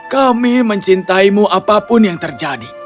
kami mencintaimu apapun yang terjadi